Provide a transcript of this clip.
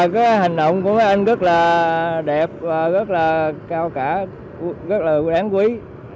cái hành động của các anh rất là đẹp rất là cao cả rất là đáng quý